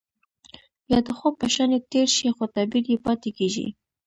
يا د خوب په شانې تير شي خو تعبير يې پاتې کيږي.